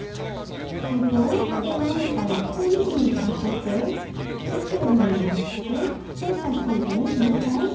これを手前から小指にかけて後ろに回して人さし指に２回かけます。